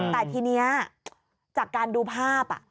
แต่ทีนี้จากการดูภาพ